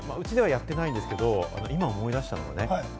うちではやってないですけど、今、思い出した。